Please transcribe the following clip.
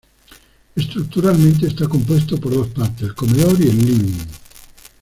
Estructuralmente está compuesto por dos partes: el comedor y el living.